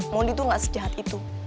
mondi itu gak sejahat itu